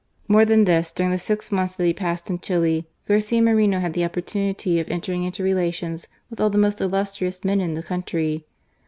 More than this, during the six months that he passed in Chili, Garcia Moreno had the opportunity of entering into rela tions with all the most illustrious men in the country.